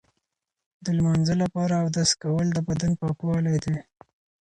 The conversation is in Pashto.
د لمانځه لپاره اودس کول د بدن پاکوالی دی.